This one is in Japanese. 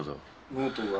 ノートが？